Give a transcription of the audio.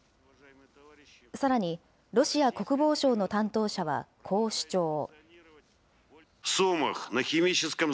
さらに、ロシア国防省の担当者はこう主張。